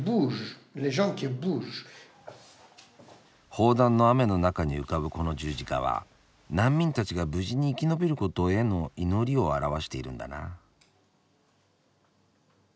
砲弾の雨の中に浮かぶこの十字架は難民たちが無事に生き延びることへの祈りを表しているんだな。